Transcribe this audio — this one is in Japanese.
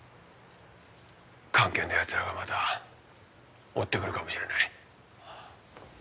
菅研のヤツらがまた追って来るかもしれない。